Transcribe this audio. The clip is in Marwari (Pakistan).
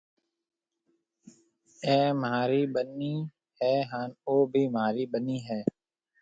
اَي مهاري ٻنَي هيَ هانَ او بي مهاري ٻنَي هيَ۔